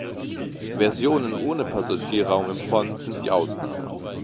Versionen ohne Passagierraum im Fond sind die Ausnahme.